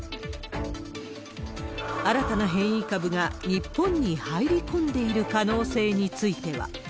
新たな変異株が日本に入り込んでいる可能性については。